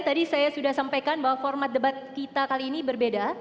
tadi saya sudah sampaikan bahwa format debat kita kali ini berbeda